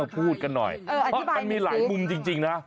เพราะมันมีหลายมุมจริงนะ